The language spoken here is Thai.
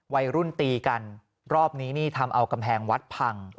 วัยรุ่นตีกันรอบนี้นี่ทำเอากำแพงวัดพัง